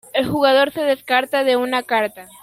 El jugador se descarta de una carta.